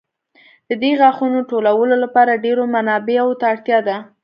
د دې غاښونو ټولولو لپاره ډېرو منابعو ته اړتیا ده.